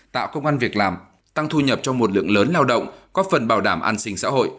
tạo công an việc làm tăng thu nhập cho một lượng lớn lao động có phần bảo đảm an sinh xã hội